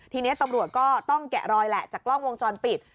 ทีนี้ตำรวจก็ต้องแกะรอยแหละจากกล้องวงจรปิด